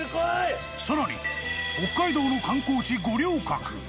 更に、北海道の観光地・五稜郭。